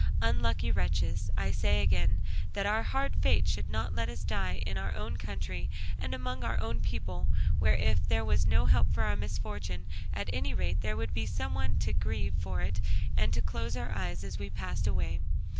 Unlucky wretches, I say again, that our hard fate should not let us die in our own country and among our own people, where if there was no help for our misfortune, at any rate there would be some one to grieve for it and to close our eyes as we passed away!